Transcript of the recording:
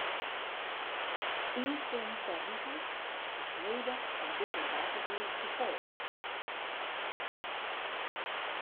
Ien sin per rigel is nedich om dizze database te foljen.